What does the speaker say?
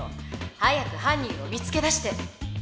早くはん人を見つけだして！